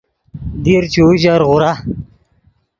دیر چے اوژر غورا